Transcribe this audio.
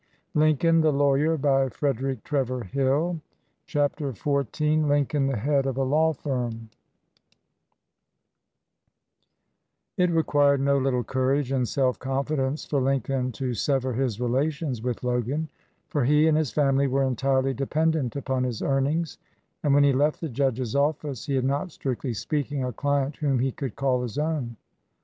"Well, it was named after I was," Mr. Lincoln responded gravely. 133 XIV LINCOLN THE HEAD OF A LAW FIRM IT required no little courage and self confidence for Lincoln to sever his relations with Logan, for he and his family were entirely dependent upon his earnings, and when he left the judge's office he had not, strictly speaking, a client whom he could call his own.